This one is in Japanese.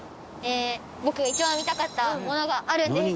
僕が一番見たかったものがあるんです。